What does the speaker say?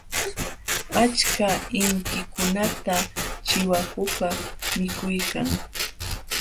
Achka inkikunata chiwakukaq mikuykan.